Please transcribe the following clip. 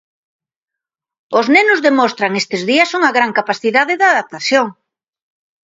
Os nenos demostran estes días unha gran capacidade de adaptación.